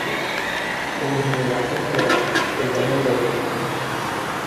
Ул һине яҡын күрә, әйләнергә йөрөй...